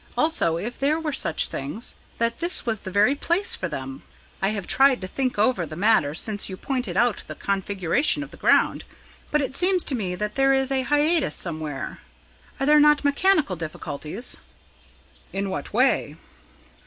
"Also, if there were such things, that this was the very place for them. I have tried to think over the matter since you pointed out the configuration of the ground. But it seems to me that there is a hiatus somewhere. Are there not mechanical difficulties?" "In what way?"